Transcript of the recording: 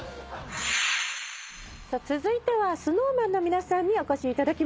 続いてはＳｎｏｗＭａｎの皆さんにお越しいただきました。